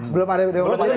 belum ada dewan kerajaan